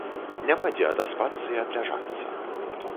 Няма дзе адаспацца і адляжацца.